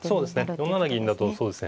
４七銀だとそうですね